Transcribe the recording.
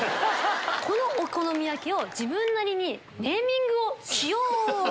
このお好み焼きを自分なりにネーミングをしよう！